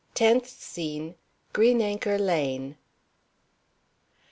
TENTH SCENE. Green Anchor Lane.